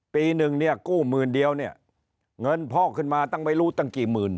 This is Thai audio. ปีหนึ่งเนี่ยกู้หมื่นเดียวเนี่ยเงินพ่อขึ้นมาตั้งไม่รู้ตั้งกี่หมื่น